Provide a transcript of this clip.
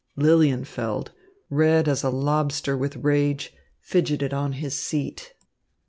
Lilienfeld, red as a lobster with rage, fidgeted on his seat.